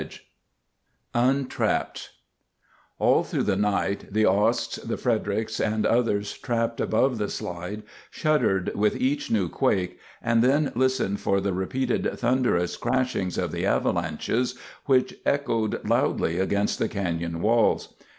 (Christopherson)] [Illustration: (Bottom Forest Service)] UNTRAPPED All through the night, the Osts, the Fredericks, and the others trapped above the slide shuddered with each new quake, and then listened for the repeated thunderous crashings of the avalanches which echoed loudly against the canyon walls.